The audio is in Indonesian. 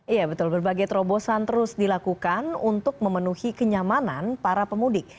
iya betul berbagai terobosan terus dilakukan untuk memenuhi kenyamanan para pemudik